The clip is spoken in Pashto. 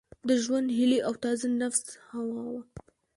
د ژوند هیلي او تازه نفس هوا وه